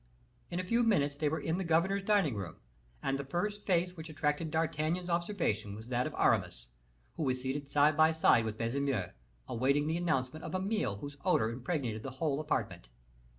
In a few minutes they were in the governor's dining room, and the first face which attracted D'Artagnan's observation was that of Aramis, who was seated side by side with Baisemeaux, awaiting the announcement of a meal whose odor impregnated the whole apartment.